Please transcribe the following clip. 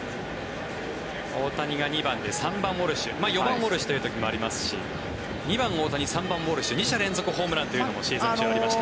大谷が２番で３番、ウォルシュ４番、ウォルシュという時もありますし２番、大谷３番、ウォルシュ２者連続ホームランというのもシーズン中はありました。